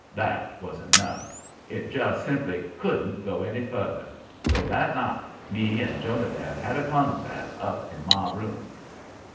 That was enough. It just simply COULDN'T go any further, so that night me and Jonadab had a confab up in my room.